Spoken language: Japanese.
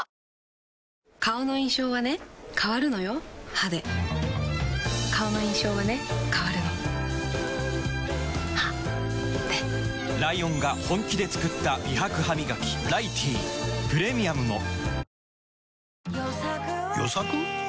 歯で顔の印象はね変わるの歯でライオンが本気で作った美白ハミガキ「ライティー」プレミアムも与作は木をきる与作？